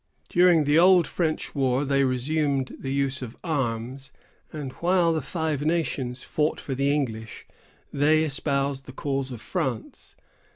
During the Old French War they resumed the use of arms, and while the Five Nations fought for the English, they espoused the cause of France.